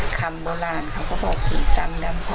คำโบราณเขาก็บอกผีซ้ำด้านพอ